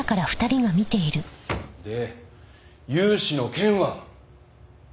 で融資の件は？